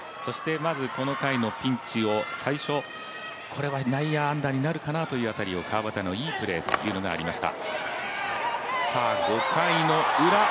この回のピンチを最初、内野安打になるかなという当たりを川畑のいいプレーというのがありました。